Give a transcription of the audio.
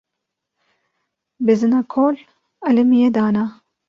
Bizina kol elimiye dana